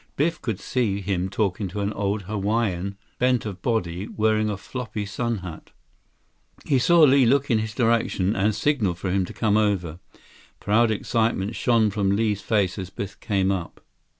Biff could see him talking to an old Hawaiian, bent of body, wearing a floppy sun hat. He saw Li look in his direction and signal for him to come over. Proud excitement shone from Li's face as Biff came up.